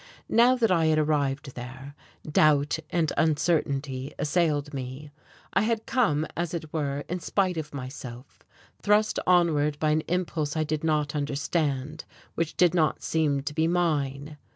Now that I had arrived there, doubt and uncertainty assailed me. I had come as it were in spite of myself, thrust onward by an impulse I did not understand, which did not seem to be mine.